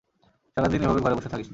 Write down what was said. সারাদিন এভাবে ঘরে বসে থাকিস না।